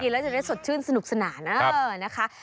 แล้วจะได้สดชื่นสนุกสนานนะคะ